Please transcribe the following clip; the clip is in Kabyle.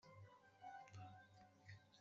Ttxil-wet, ttut tamsalt-a.